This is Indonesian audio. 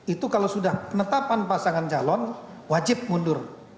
itu kalau sudah penetapan pasangan calon wajib mundur